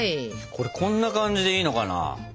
これこんな感じでいいのかな？